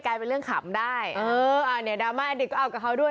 ได้เอออันนี้ดราม่าอดิตก็เอากับเขาด้วย